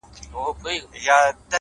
ورځي د وريځي يارانه مــاتـه كـړه ـ